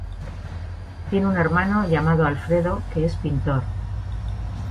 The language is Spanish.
Tiene un hermano llamado Alfredo que es pintor.